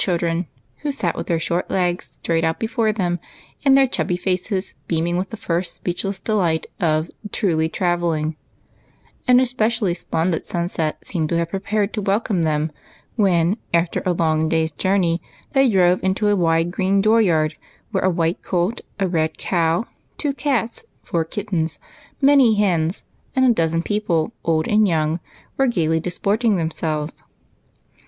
cliiklren, who sat with their short legs straight out before them, and their chubby faces beaming with the first speechless delight of " truly travelling," An especially splendid sunset seemed to have been prepared to welcome them when, after a long day's journey, they drove into a wide, green door yard, where a white colt, a red cow, two cats, four kittens, many hens, and a dozen people, old and young, were gayly disporting themselves.